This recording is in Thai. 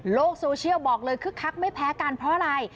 โซเชียลบอกเลยคึกคักไม่แพ้กันเพราะอะไร